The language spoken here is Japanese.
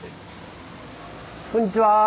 こんにちは。